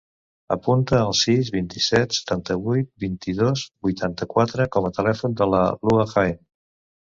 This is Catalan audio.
Apunta el sis, vint-i-set, setanta-vuit, vint-i-dos, vuitanta-quatre com a telèfon de la Lua Jaen.